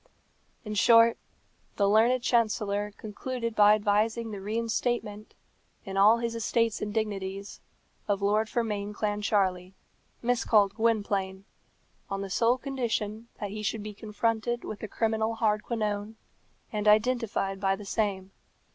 In short, the learned chancellor concluded by advising the reinstatement, in all his estates and dignities, of Lord Fermain Clancharlie, miscalled Gwynplaine, on the sole condition that he should be confronted with the criminal Hardquanonne, and identified by the same.